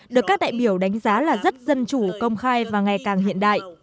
được các đại biểu đánh giá là rất dân chủ công khai và ngày càng hiện đại